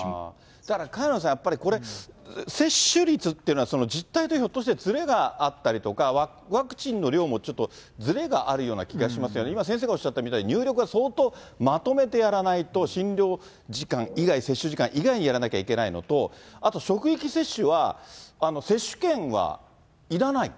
だから萱野さん、やっぱりこれ、接種率っていうのは、実態とひょっとしてずれがあったりとか、ワクチンの量もちょっとずれがあるような気がしますよね、今先生がおっしゃったみたいに、入力が相当まとめてやらないと、診療時間、接種時間以外、接種時間以外にやらないといけないのと、あと職域接種は、接種券はいらない。